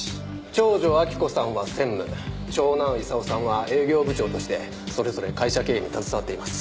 長女明子さんは専務長男功さんは営業部長としてそれぞれ会社経営に携わっています。